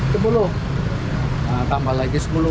nah tambah lagi sepuluh